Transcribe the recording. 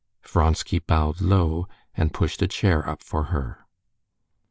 Vronsky bowed low and pushed a chair up for her.